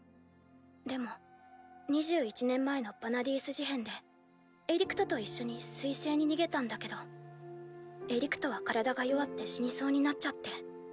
でも２１年前のヴァナディース事変でエリクトと一緒に水星に逃げたんだけどエリクトは体が弱って死にそうになっちゃって。